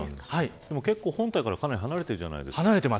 本体から、かなり離れているじゃないですか。